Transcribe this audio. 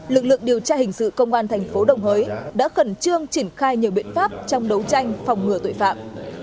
lực lượng điều tra hình sự công an thành phố đồng hới đã khẩn trương triển khai nhiều biện pháp trong đấu tranh phòng ngừa tội phạm